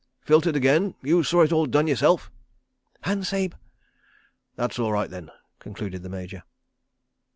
"Filtered again? You saw it all done yourself?" "Han, Sahib." "That's all right, then," concluded the Major.